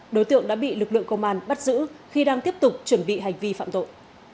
đối tượng đã bị lực lượng công an bắt giữ khi đang tiếp tục chuẩn bị hành vi phạm tội